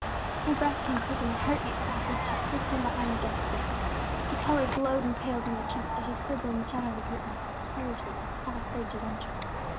Her breath came quick, and her heart beat fast, as she slipped in behind the guests again. The color glowed and paled in her cheeks, as she stood there in the shadow of the curtains, hesitating, half afraid to venture.